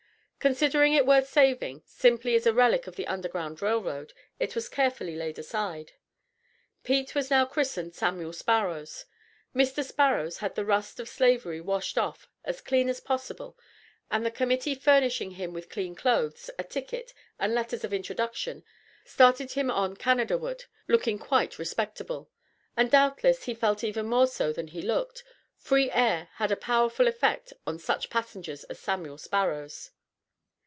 Considering it worth saving simply as a relic of the Underground Rail Road, it was carefully laid aside. Pete was now christened Samuel Sparrows. Mr. Sparrows had the rust of Slavery washed off as clean as possible and the Committee furnishing him with clean clothes, a ticket, and letters of introduction, started him on Canada ward, looking quite respectable. And doubtless he felt even more so than he looked; free air had a powerful effect on such passengers as Samuel Sparrows.